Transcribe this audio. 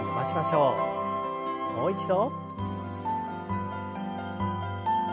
もう一度。